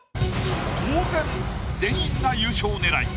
当然全員が優勝狙い。